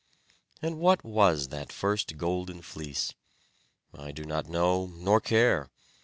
And what was that first Golden Fleece? I do not know, nor care.